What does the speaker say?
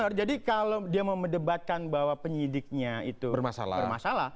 betul jadi kalau dia mau mendebatkan bahwa penyidiknya itu bermasalah